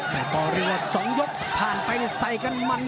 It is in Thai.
มันตอนหรือว่าสองยกผ่านไปใส่กันมัน